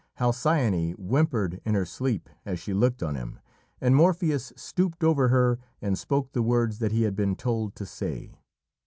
Halcyone whimpered in her sleep as she looked on him, and Morpheus stooped over her and spoke the words that he had been told to say.